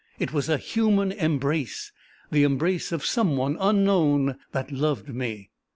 It was a human embrace, the embrace of some one unknown that loved me!